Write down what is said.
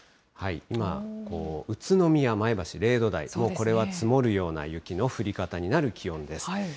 今、宇都宮、前橋０度台、もうこれは積もるような雪の降り方になる気温です。